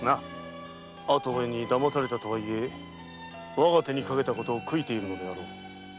跡部にだまされたとはいえわが手にかけたことを悔いているのだろう。